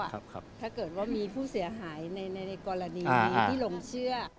ถ้าเกิดว่ามีผู้เสียหายในกรณีนี้ที่หลงเชื่อ